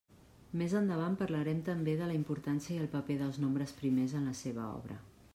Més endavant parlarem també de la importància i el paper dels nombres primers en la seva obra.